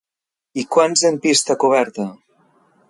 I quants en pista coberta?